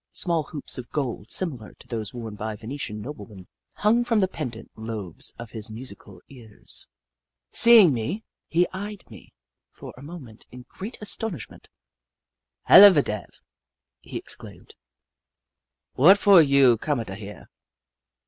Small hoops of gold, similar to those worn by Venetian noblemen, hung from the pendant lobes of his musical ears. Seeing me, he eyed me for a moment in great astonishment. " Hella da dev !" he ex claimed. " What for you coma da here